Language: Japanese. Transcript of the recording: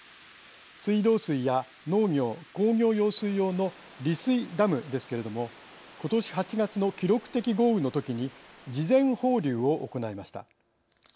水道水や農業工業用水用の利水ダムですけれどもことし８月の記録的豪雨のときに事前放流を行いました。